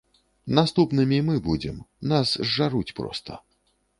Наступнымі мы будзем, нас зжаруць проста.